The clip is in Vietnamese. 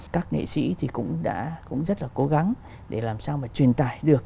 các nghệ sĩ thì cũng đã rất là cố gắng để làm sao mà truyền tải được